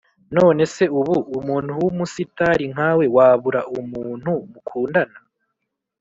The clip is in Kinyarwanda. none se ubu, umuntu w’umusitari nkawe wabura umuntu mukundana,